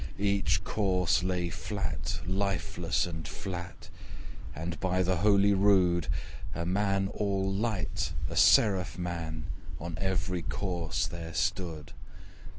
Each corse lay flat, lifeless and flat, And, by the holy rood! A man all light, a seraph man, On every corse there stood.